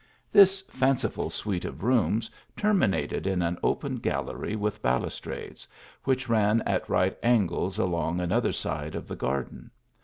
This fanciful suite of rooms terminated in an oper gallery with balustrades, which ran at right anglea along another side of the garden.